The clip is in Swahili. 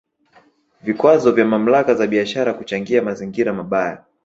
Vikwazo vya mamlaka za biashara kuchangia mazingira mabaya